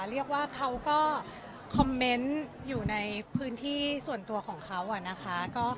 เรียกว่าเขาก็คอมเมนต์อยู่ในพื้นที่ส่วนตัวของเขานะคะ